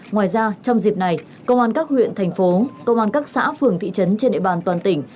ngoài ra trong dịp này công an các huyện thành phố công an các xã phường thị trấn trên địa bàn toàn tỉnh